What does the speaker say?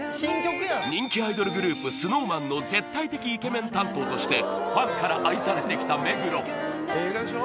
人気アイドルグループＳｎｏｗＭａｎの絶対的イケメン担当としてファンから愛されてきた目黒映画でしょ？